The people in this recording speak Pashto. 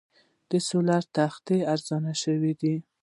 د سولر تختې ارزانه شوي؟